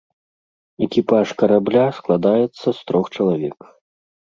Экіпаж карабля складаецца з трох чалавек.